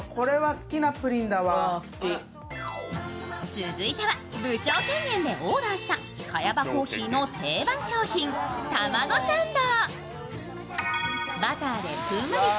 続いては部長権限でオーダーしたカヤバ珈琲の定番商品、たまごサンド。